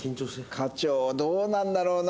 課長どうなんだろうな？